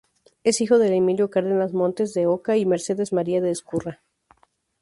Es hijo de Emilio Cárdenas Montes de Oca y Mercedes María de Ezcurra.